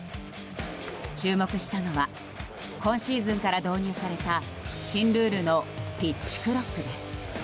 注目したのは今シーズンから導入された新ルールのピッチクロックです。